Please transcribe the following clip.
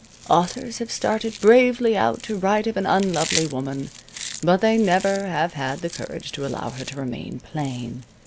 Authors have started bravely out to write of an unlovely woman, but they never have had the courage to allow her to remain plain.